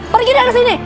pergi dari sini